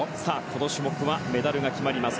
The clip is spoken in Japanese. この種目はメダルが決まります。